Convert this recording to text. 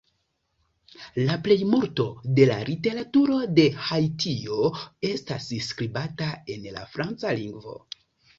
La plejmulto de la literaturo de Haitio estas skribata en la franca lingvo.